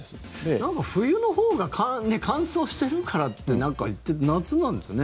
なんか冬のほうが乾燥してるからっていって夏なんですね。